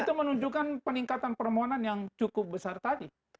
itu menunjukkan peningkatan permohonan yang cukup besar tadi